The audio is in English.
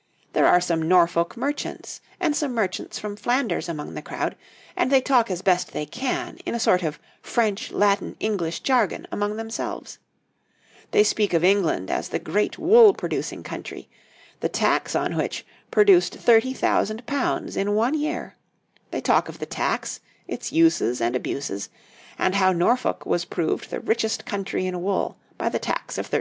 }] There are some Norfolk merchants and some merchants from Flanders among the crowd, and they talk as best they can in a sort of French Latin English jargon among themselves; they speak of England as the great wool producing country, the tax on which produced £30,000 in one year; they talk of the tax, its uses and abuses, and how Norfolk was proved the richest county in wool by the tax of 1341.